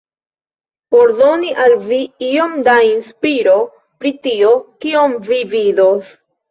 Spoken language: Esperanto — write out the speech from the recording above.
Por doni al vi iom da inspiro pri tio, kion vi vidos